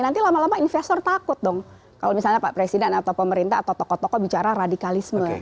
nanti lama lama investor takut dong kalau misalnya pak presiden atau pemerintah atau tokoh tokoh bicara radikalisme